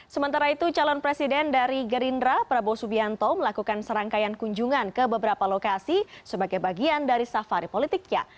sementara itu calon presiden dari gerindra prabowo subianto melakukan serangkaian kunjungan ke beberapa lokasi sebagai bagian dari safari politiknya